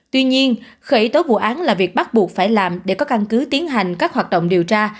tuy nhiên khởi tố vụ án là việc bắt buộc phải làm để có căn cứ tiến hành các hoạt động điều tra